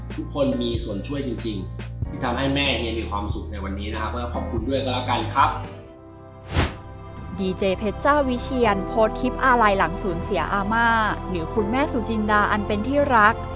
ทุกคนมีส่วนช่วยจริงที่ทำให้แม่ยังมีความสุขในวันนี้นะครับ